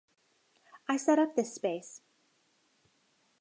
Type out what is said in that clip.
I set up this space.